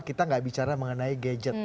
kita nggak bicara mengenai gadget